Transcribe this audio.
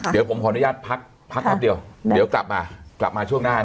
เดี๋ยวผมขออนุญาตพักพักแป๊บเดียวเดี๋ยวกลับมากลับมาช่วงหน้า